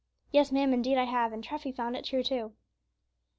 "Yes, ma'am, indeed I have; and Treffy found it true too."